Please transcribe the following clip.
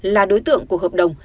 là đối tượng của hợp đồng